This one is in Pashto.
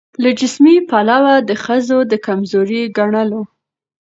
له جسمي پلوه د ښځو د کمزوري ګڼلو